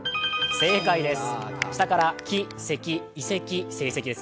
正解です。